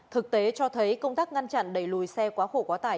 thực tế cho thấy công tác ngăn chặn đẩy lùi xe quá khổ quá tải